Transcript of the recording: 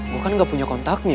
gue kan gak punya kontaknya